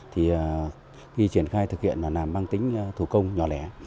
thì khi triển khai thực hiện là làm băng tính thủ công nhỏ lẻ